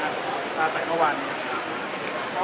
ตั้งแต่เมื่อวานครับก็คุณแสดงกับทั้งหมดนะครับครับ